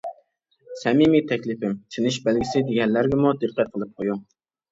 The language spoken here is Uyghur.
سەمىمىي تەكلىپىم: تىنىش بەلگىسى دېگەنلەرگىمۇ دىققەت قىلىپ قويۇڭ!